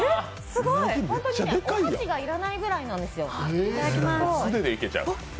すごい！お箸が要らないぐらいなんですよ。